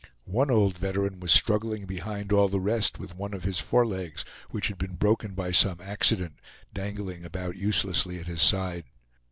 One old veteran was struggling behind all the rest with one of his forelegs, which had been broken by some accident, dangling about uselessly at his side.